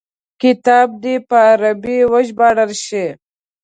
کتاب دي په عربي وژباړل شي.